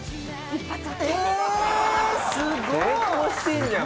すごい！成功してんじゃん！